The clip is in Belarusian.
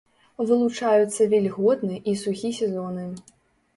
Вылучаюцца вільготны і сухі сезоны.